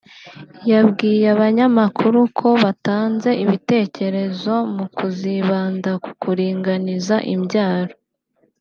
yabwiye abanyamakuru ko batanze ibitekerezo mu kuzibanda ku kuringaniza imbyaro